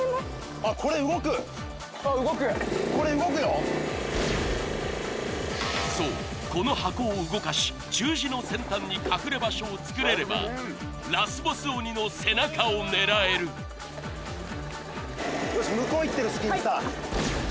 あっ動くそうこの箱を動かし十字の先端に隠れ場所を作れればラスボス鬼の背中を狙える行ってください